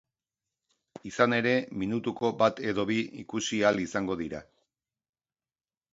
Izan ere, minutuko bat edo bi ikusi ahal izango dira.